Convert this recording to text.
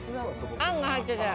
あんが入ってるの？